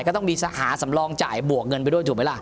ก็ต้องมีหาสำรองจ่ายบวกเงินไปด้วยถูกไหมล่ะ